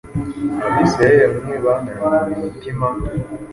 Abisirayeli bamwe banangiwe imitima,